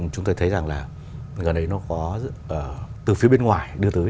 chúng tôi thấy rằng là gần đây nó có từ phía bên ngoài đưa tới